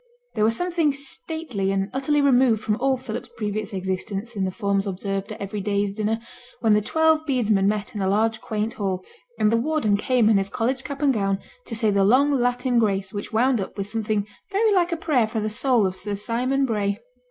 There was something stately and utterly removed from all Philip's previous existence in the forms observed at every day's dinner, when the twelve bedesmen met in the large quaint hall, and the warden came in his college cap and gown to say the long Latin grace which wound up with something very like a prayer for the soul of Sir Simon Bray.